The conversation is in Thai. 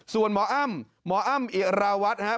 ส่วนหมออ้ำหมออ้ำอิราวัฒน์นะครับ